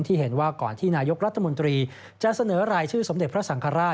ที่เห็นว่าก่อนที่นายกรัฐมนตรีจะเสนอรายชื่อสมเด็จพระสังฆราช